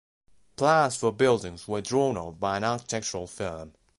Plans for buildings were drawn up by an architectural firm.